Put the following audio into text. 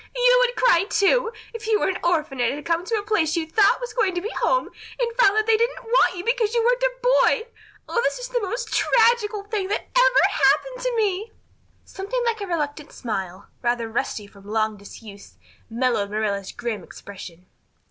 "You would cry, too, if you were an orphan and had come to a place you thought was going to be home and found that they didn't want you because you weren't a boy. Oh, this is the most tragical thing that ever happened to me!" Something like a reluctant smile, rather rusty from long disuse, mellowed Marilla's grim expression.